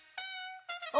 お！